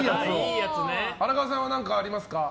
荒川さんは何かありますか？